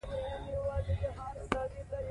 دا نسج معاینه کېږي.